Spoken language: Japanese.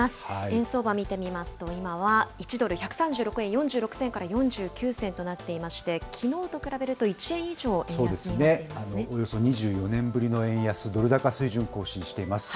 円相場見てみますと、今は１ドル１３６円４６銭から４９銭となっていまして、きのうと比べると、１円以上円安になっていますね。